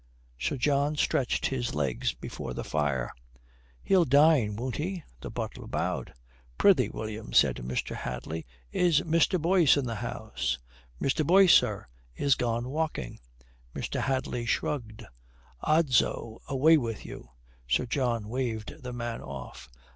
Sir John stretched his legs before the fire. "He'll dine, won't he?" The butler bowed. "Prithee, William," says Mr. Hadley, "is Mr. Boyce in the house?" "Mr. Boyce, sir, is gone walking." Mr. Hadley shrugged. "Odso, away with you," Sir John waved the man off.